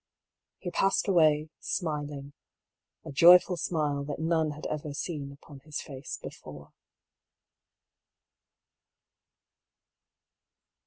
He passed away, smiling — a joyful smile that none had ever seen upon his face before.